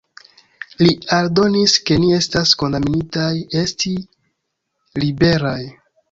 Li aldonis ke “ni estas kondamnitaj esti liberaj”.